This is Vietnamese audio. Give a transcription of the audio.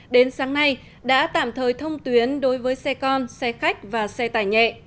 đến sáng nay đã tạm thời thông tuyến đối với xe con xe khách và xe tải nhẹ